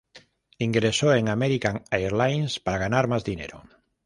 Ingresó en American Airlines, para ganar más dinero.